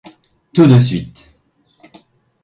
Tout de suite !